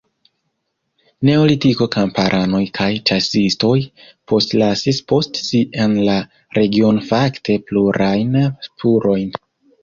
Neolitiko kamparanoj kaj ĉasistoj postlasis post si en la regiono fakte plurajn spurojn.